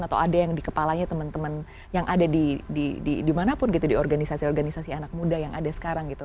atau ada yang di kepalanya teman teman yang ada di dimanapun gitu di organisasi organisasi anak muda yang ada sekarang gitu